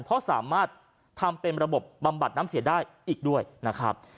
เพราะสามารถทำเป็นระบบบำบัดน้ำเสียได้อีกด้วยนะครับ